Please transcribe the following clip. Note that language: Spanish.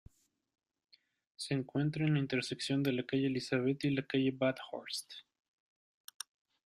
Se encuentra en la intersección de la calle Elizabeth y la calle Bathurst.